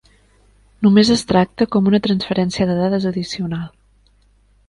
Només es tracta com una transferència de dades addicional.